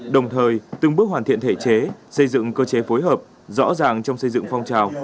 đồng thời từng bước hoàn thiện thể chế xây dựng cơ chế phối hợp rõ ràng trong xây dựng phong trào